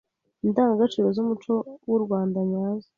Indangagaciro z’umuco w’u Rwanda nyazo.